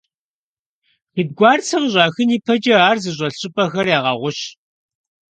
Шэдгуарцэ къыщӀахын ипэкӀэ ар зыщӀэлъ щӀыпӀэхэр ягъэгъущ.